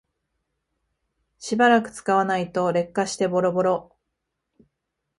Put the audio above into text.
しばらく使わないと劣化してボロボロ